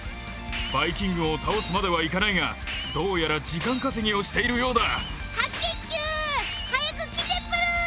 バイ菌軍を倒すまではいかないがどうやら時間稼ぎをしているようだ。